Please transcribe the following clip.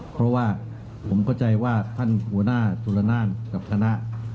เพราะว่าผมเข้าใจว่าท่านหัวหน้าสุรนานกับคณะ